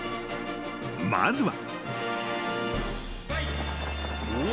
［まずは］